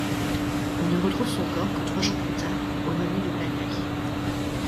On ne retrouve son corps que trois jours plus tard au ramier de Blagnac.